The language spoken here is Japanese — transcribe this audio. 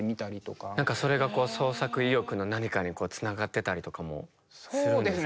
それが創作意欲の何かにつながってたりとかもするんですか？